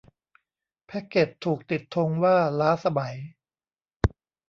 แพ็กเกจถูกติดธงว่าล้าสมัย